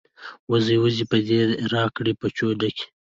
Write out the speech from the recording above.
ـ وزې وزې پۍ دې راکړې د پچو ډکې.